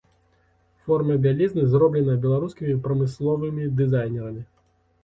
Форма бялізны зробленая беларускімі прамысловымі дызайнерамі.